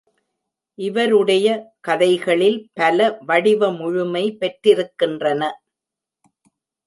இவருடைய கதைகளில் பல, வடிவ முழுமை பெற்றிருக்கின்றன.